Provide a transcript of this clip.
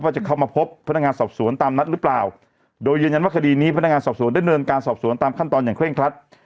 จะเข้ามาพบพนักงานสอบสวนตามนัดหรือเปล่าโดยยืนยันว่าคดีนี้พนักงานสอบสวนได้เนินการสอบสวนตามขั้นตอนอย่างเร่งครัด